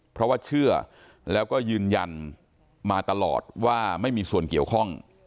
เพราะว่าเชื่อแล้วก็ยืนยันมาตลอดว่าไม่มีส่วนเกี่ยวข้อง